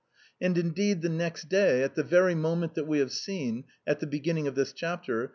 And, indeed, the next day, at the very moment that we have seen, at the beginning of this chapter.